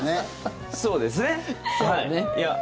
そうですね。